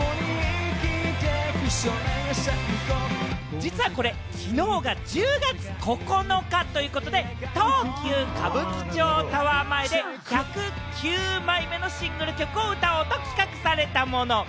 実はこれ、きのうが１０月９日ということで、東急歌舞伎町タワー前で１０９枚目のシングル曲を歌おうと企画されたもの。